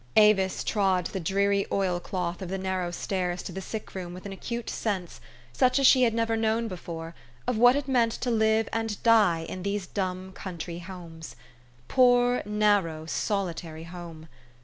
Avis trod the dreary oil cloth of the narrow stairs to the sick room with an acute sense, such as she had never known before, of what it meant to live and die in these dumb country homes. Poor, narrow, solitary home